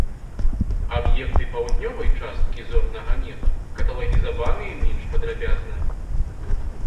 Аб'екты паўднёвай часткі зорнага неба каталагізаваныя менш падрабязна.